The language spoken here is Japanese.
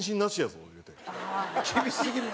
厳しすぎるな。